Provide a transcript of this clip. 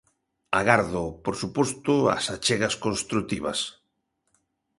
Agardo, por suposto, as achegas construtivas.